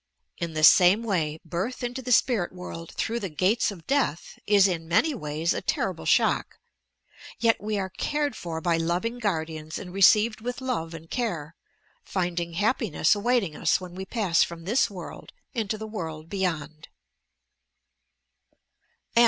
In the same way, birth into the spirit world through the gates of death is, in many ways, a terrible shock , yet we are eared for by loving guardians and received with love and care, — finding happiness awaiting us when we paas from this world into the world beyond.